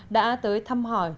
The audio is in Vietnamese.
đã tới thăm hỏi